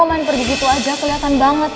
kalau lo main pergi gitu aja keliatan banget